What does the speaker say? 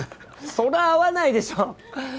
そら合わないでしょ！